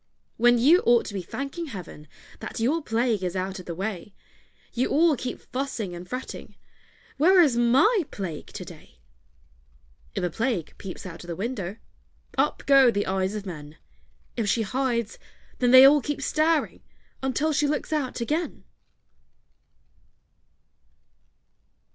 When you ought to be thanking heaven That your Plague is out of the way, You all keep fussing and fretting "Where is my Plague to day?" If a Plague peeps out of the window, Up go the eyes of men; If she hides, then they all keep staring Until she looks out again.